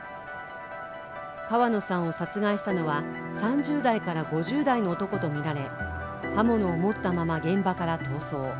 川野さんを殺害したのは３０代から５０代の男とみられ刃物を持ったまま現場から逃走。